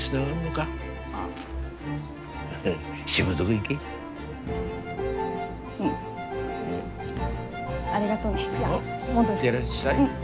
行ってらっしゃい。